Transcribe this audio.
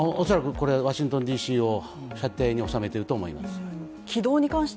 恐らく、これはワシントンＤ．Ｃ．を射程に収めていると思います。